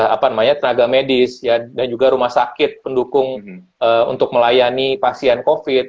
apa namanya tenaga medis dan juga rumah sakit pendukung untuk melayani pasien covid